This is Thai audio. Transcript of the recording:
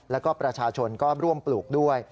แล้วก็ประชาชนก็ร่วมปลูกด้วย